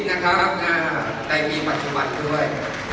ในปีปัจฉุมพรด้วย